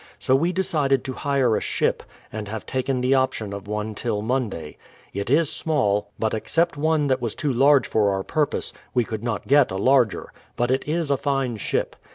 So we de cided to hire a ship, and have taken the option of one till Alonday. It is small, but except one that was too large for our purpose, we could not get a larger ; but it is a fine ship.